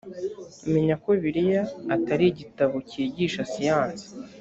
menya ko bibiliya atari igitabo cyigisha siyansi